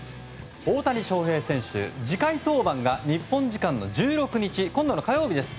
大谷翔平選手、次回登板が日本時間の１６日今度の火曜日です。